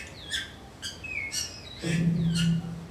¡ quietos!... ¡ quietos!...